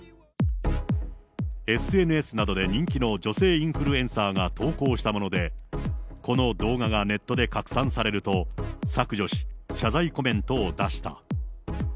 ＳＮＳなどで人気の女性インフルエンサーが投稿したもので、この動画がネットで拡散されると、削除し、謝罪コメントを出した。